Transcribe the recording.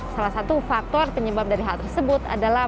salah satu faktor penyebab dari hal tersebut adalah